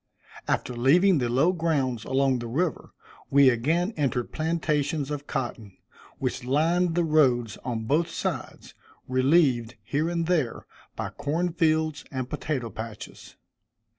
After leaving the low grounds along the river, we again entered plantations of cotton, which lined the roads on both sides, relieved, here and there, by corn fields and potato patches.